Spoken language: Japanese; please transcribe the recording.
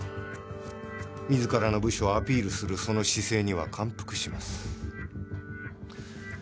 自らの部署をアピールするその姿勢には感服します。